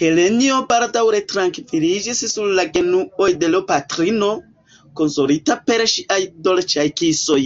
Helenjo baldaŭ retrankviliĝis sur la genuoj de l' patrino, konsolita per ŝiaj dolĉaj kisoj.